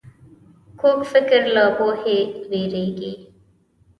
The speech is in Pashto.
کوږ فکر له پوهې وېرېږي